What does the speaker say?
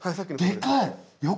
でかい！